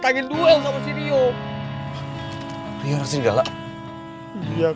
gak lama lagi di experts ada bang ya